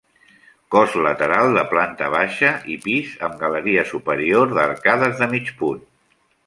Cos lateral de planta baixa i pis amb galeria superior d'arcades de mig punt.